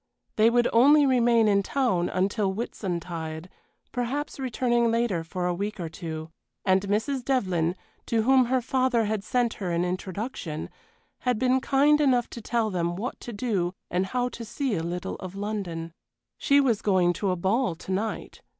They would only remain in town until Whitsuntide, perhaps returning later for a week or two; and Mrs. Devlyn, to whom her father had sent her an introduction, had been kind enough to tell them what to do and how to see a little of London. She was going to a ball to night.